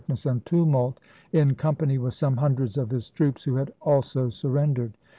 ness and tumult, in company with some hundreds of his troops, who had also surrendered.